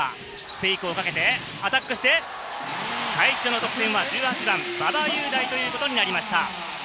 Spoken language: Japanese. フェイクをかけてアタックして最初の得点は１８番・馬場雄大ということになりました。